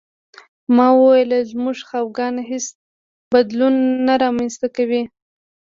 ما وویل زموږ خپګان هېڅ بدلون نه رامنځته کوي